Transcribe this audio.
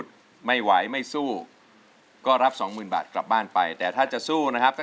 สำหรับเขาคนนี้ครับ